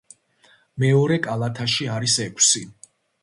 მეორე კალათაში არის ექვსი.